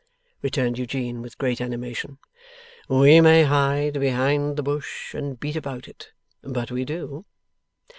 returned Eugene, with great animation. 'We may hide behind the bush and beat about it, but we DO!